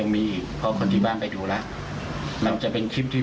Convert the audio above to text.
ในกรรมนะครับ